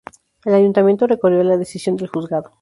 El Ayuntamiento recurrió la decisión del juzgado.